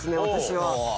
私は。